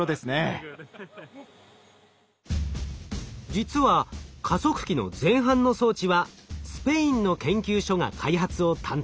実は加速器の前半の装置はスペインの研究所が開発を担当。